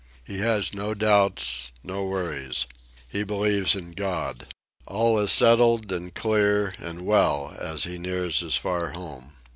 He has no doubts, no worries. He believes in God. All is settled and clear and well as he nears his far home.